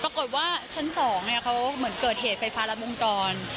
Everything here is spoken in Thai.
ปรากฏว่าชั้น๒เขาแบบเกิดเหตุไฟฟ้าระมงจร